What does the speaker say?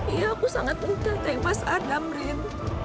iya aku sangat minta tempat adam rin